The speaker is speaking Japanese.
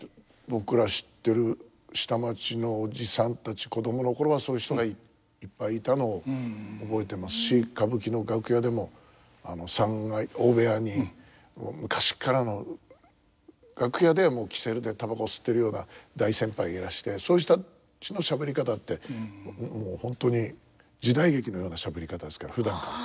僕ら知ってる下町のおじさんたち子供の頃はそういう人がいっぱいいたのを覚えてますし歌舞伎の楽屋でも三階大部屋にもう昔っからの楽屋では煙管でたばこ吸ってるような大先輩がいらしてそういう人たちのしゃべり方ってもう本当に時代劇のようなしゃべり方ですからふだんから。